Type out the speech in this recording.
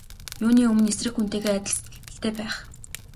Юуны өмнө эсрэг хүнтэйгээ адил сэтгэгдэлтэй байх.